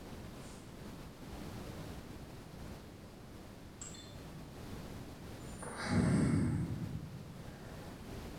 Três Lagoas es la ciudad más cosmopolita del de Mato Grosso do Sul.